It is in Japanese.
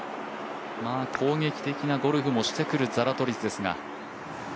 攻撃的なゴルフもしてくるザラトリスですが。